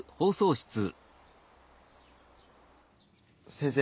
先生。